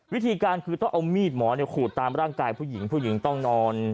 วิธีการคือต้องเอามีดหมอขูดตามร่างกายผู้หญิงผู้หญิงต้องนอน